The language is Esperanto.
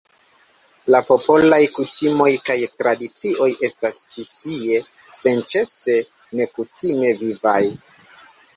La popolaj kutimoj kaj tradicioj estas ĉi tie senĉese nekutime vivaj.